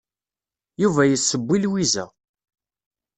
Yuba yesseww i Lwiza.